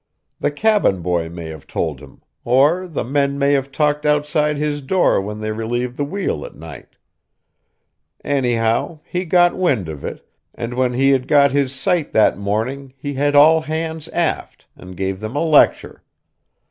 The cabin boy may have told him, or the men may have talked outside his door when they relieved the wheel at night. Anyhow, he got wind of it, and when he had got his sight that morning he had all hands aft, and gave them a lecture.